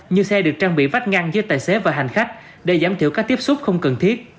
như xe được trang bị vách ngăn giữa tài xế và hành khách để giảm thiểu các tiếp xúc không cần thiết